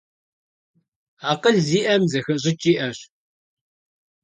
Акъыл зиӀэм, зэхэщӀыкӀ иӀэщ.